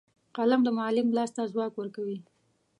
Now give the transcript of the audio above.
قلم د معلم لاس ته ځواک ورکوي